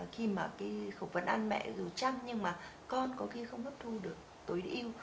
khi mà khẩu phần ăn mẹ dù chăng nhưng mà con có khi không hấp thu được tối đi yêu